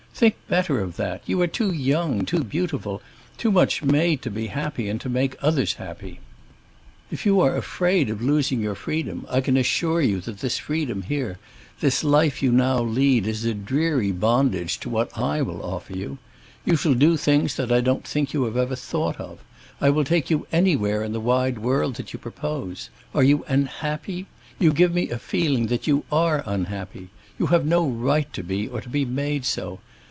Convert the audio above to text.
"Think better of that. You are too young, too beautiful, too much made to be happy and to make others happy. If you are afraid of losing your freedom, I can assure you that this freedom here, this life you now lead, is a dreary bondage to what I will offer you. You shall do things that I don't think you have ever thought of. I will take you anywhere in the wide world that you propose. Are you unhappy? You give me a feeling that you are unhappy. You have no right to be, or to be made so.